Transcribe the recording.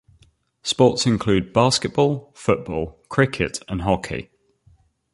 Sports include basketball, football, cricket and hockey.